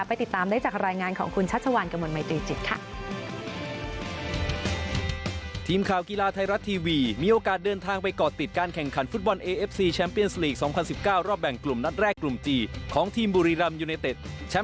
ไปติดตามได้จากรายงานของคุณชัชชาวันกำลังใหม่ตรีจิตค่ะ